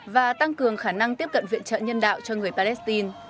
và tăng cường khả năng tiếp cận viện trợ nhân đạo cho người palestine